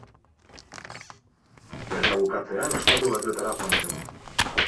Gerra bukatzean Estatu Batuetara joan zen.